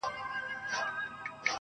د طبيعت دې نندارې ته ډېر حيران هم يم.